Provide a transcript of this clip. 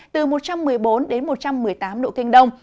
từ một trăm một mươi bốn đến một trăm một mươi tám độ kinh đông